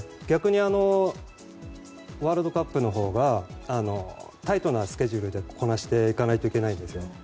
逆に、ワールドカップのほうがタイトなスケジュールでこなしていかないといけないんですよ。